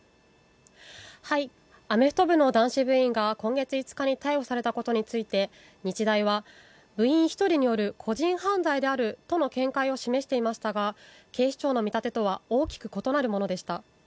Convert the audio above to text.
アメフト部の男子部員が今月５日に逮捕されたことについて、日大は部員１人による個人犯罪であるとの見解を示していましたが警視庁の見立てとは大きく異なるものでした。